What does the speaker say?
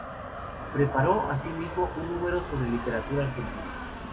Preparó, asimismo, un número sobre literatura argentina.